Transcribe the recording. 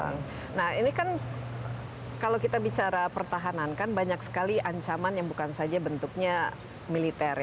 nah ini kan kalau kita bicara pertahanan kan banyak sekali ancaman yang bukan saja bentuknya militer